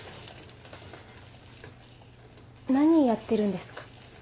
何やってるんですか？